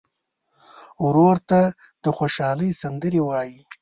ورور ته د خوشحالۍ سندرې وایې.